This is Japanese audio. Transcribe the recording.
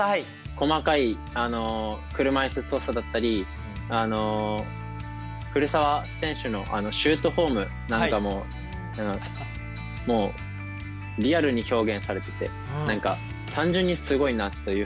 細かい車いす操作だったり古澤選手のシュートフォームなんかももうリアルに表現されてて何か単純にすごいなというふうに感じました。